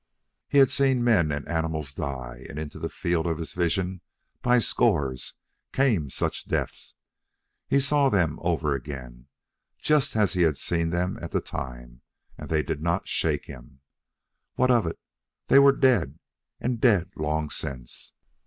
He had seen men and animals die, and into the field of his vision, by scores, came such deaths. He saw them over again, just as he had seen them at the time, and they did not shake him. What of it? They were dead, and dead long since.